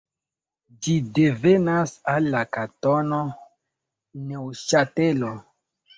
Ĝi devenas el la kantono Neŭŝatelo.